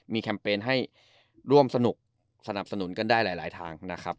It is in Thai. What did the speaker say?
มีแคมเปญให้ร่วมสนุกสนับสนุนกันได้หลายทางนะครับ